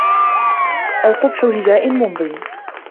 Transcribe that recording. أَوْ قُبْحَ هِجَاءٍ مُمْضٍ